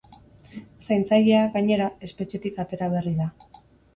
Zaintzailea, gainera, espetxetik atera berri da.